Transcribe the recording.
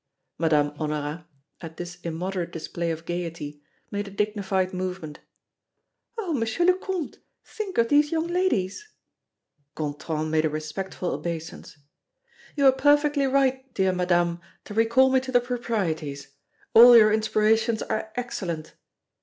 Madame Honorat, at this immoderate display of gaiety, made a dignified movement: "Oh! M. le Comte, think of these young ladies!" Gontran made a respectful obeisance. "You are perfectly right, dear Madame, to recall me to the proprieties. All your inspirations are excellent."